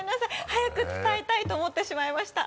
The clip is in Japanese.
早く伝えたいと思ってしまいました。